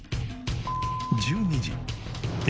１２時え